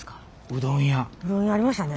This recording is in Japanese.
うどん屋ありましたね。